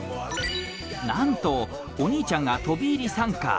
なんとお兄ちゃんが飛び入り参加。